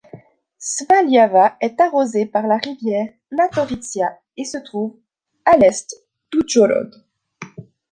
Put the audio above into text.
Svaliava est arrosée par la rivière Latorytsia et se trouve à à l'est d'Oujhorod.